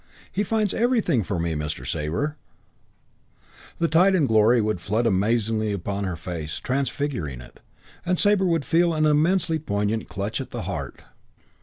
He finds everything for me, Mr. Sabre." And the tide of glory would flood amazingly upon her face, transfiguring it, and Sabre would feel an immensely poignant clutch at the heart.